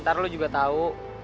ntar lo juga tau